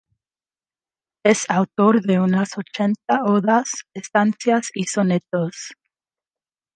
Es autor de unas ochenta odas, estancias y sonetos.